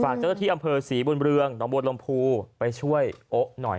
ฝากเจ้าที่อำเภอศรีบนเบื้องอรมภูไปช่วยโอ๊ะหน่อย